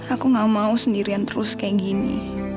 aku gak mau sendirian terus kayak gini